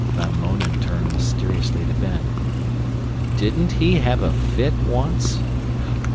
Van Mounen turned mysteriously to Ben. "DIDN'T HE HAVE A FIT ONCE?"